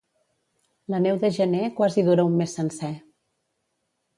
La neu de gener quasi dura un mes sencer.